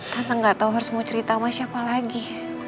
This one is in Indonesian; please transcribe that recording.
karena gak tau harus mau cerita sama siapa lagi